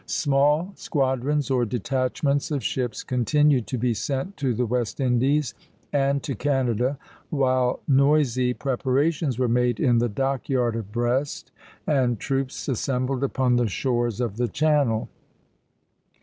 Small squadrons, or detachments of ships, continued to be sent to the West Indies and to Canada, while noisy preparations were made in the dock yard of Brest, and troops assembled upon the shores of the Channel.